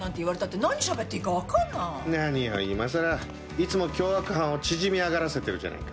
いつも凶悪犯を縮み上がらせてるじゃないか。